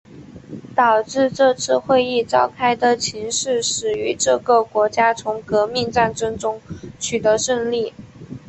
导致这次会议召开的情势始于这个国家从革命战争中取得胜利。